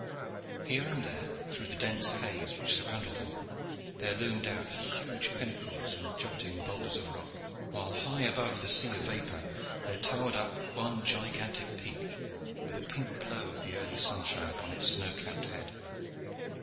Here and there, through the dense haze which surrounded them, there loomed out huge pinnacles and jutting boulders of rock: while high above the sea of vapor there towered up one gigantic peak, with the pink glow of the early sunshine upon its snow capped head.